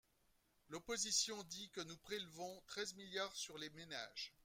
L’opposition dit que nous prélevons treize milliards sur les ménages.